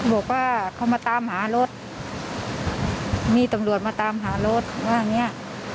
บอกว่าเขามาตามหารถมีตำรวจมาตามหารถว่าอย่างเงี้ย